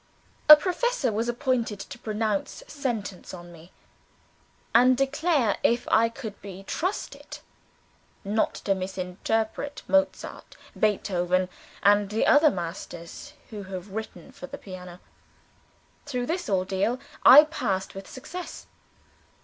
A professor was appointed to pronounce sentence on me, and declare if I could be trusted not to misinterpret Mozart, Beethoven, and the other masters who have written for the piano. Through this ordeal I passed with success.